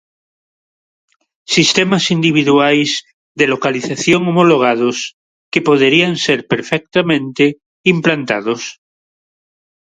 Sistemas individuais de localización, homologados, que poderían ser perfectamente implantados.